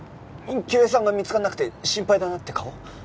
清江さんが見つからなくて心配だなって顔？